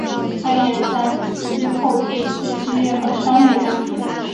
他也在其后学习职业和商业教学。